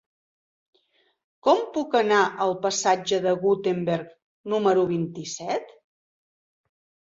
Com puc anar al passatge de Gutenberg número vint-i-set?